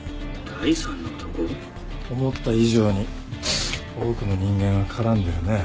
思った以上に多くの人間が絡んでるね。